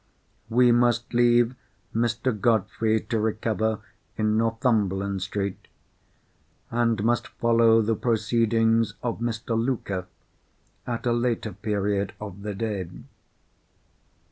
We must leave Mr. Godfrey to recover in Northumberland Street, and must follow the proceedings of Mr. Luker at a later period of the day.